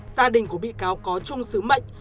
gia đình của bị cáo có chung sứ mệnh